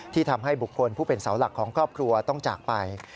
ทำให้บุคคลผู้เป็นเสาหลักของครอบครัวต้องจากไป